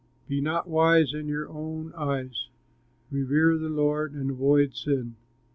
Be not wise in your own eyes. Revere the Lord, and avoid sin.